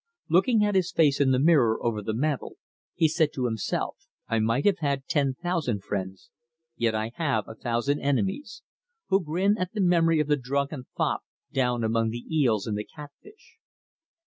Looking at his face in the mirror over the mantel, he said to himself "I might have had ten thousand friends, yet I have a thousand enemies, who grin at the memory of the drunken fop down among the eels and the cat fish.